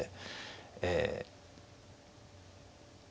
ええ。